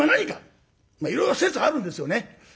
いろいろ説はあるんですよね。